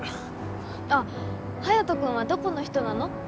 あっハヤト君はどこの人なの？